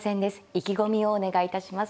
意気込みをお願いいたします。